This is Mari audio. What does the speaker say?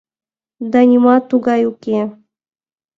— Да нимат тугай уке...